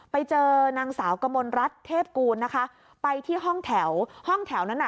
ไปเจอนางสาวกมลรัฐเทพกูลนะคะไปที่ห้องแถวห้องแถวนั้นน่ะ